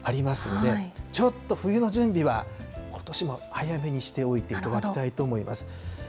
ちょっと冬の準備はことしも早めにしておいていただきたいと思います。